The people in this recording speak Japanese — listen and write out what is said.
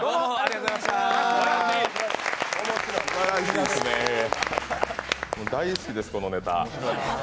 もう大好きです、このネタ。